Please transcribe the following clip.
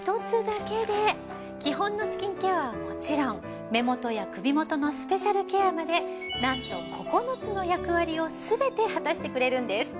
基本のスキンケアはもちろん目元や首元のスペシャルケアまでなんと９つの役割をすべて果たしてくれるんです。